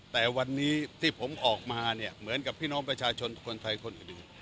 แต่วันนี้ที่ผมออกมาเนี่ยเหมือนกับพี่น้องประชาชนคนไทยคนอื่น